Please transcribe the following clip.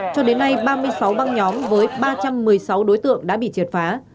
cho đến nay ba mươi sáu băng nhóm với ba trăm một mươi sáu đối tượng đã bị triệt phá